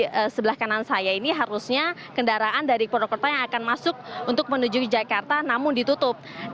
dan ketika kita melalui kendaraan yang berada di jawa tengah ini harusnya kendaraan dari purwokerto yang akan masuk untuk menuju jakarta namun ditutup